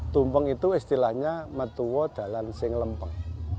tumpeng itu istilahnya metuwo dalam sing lempeng